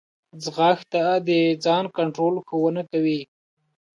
ځغاسته د ځان کنټرول ښوونه کوي